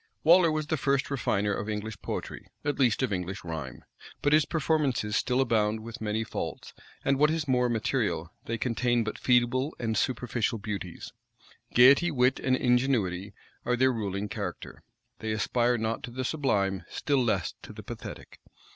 Waller was the first refiner of English poetry, at least of English rhyme; but his performances still abound with many faults, and, what is more material, they contain but feeble and superficial beauties. Gayety, wit, and ingenuity are their ruling character: they aspire not to the sublime; still less to the pathetic.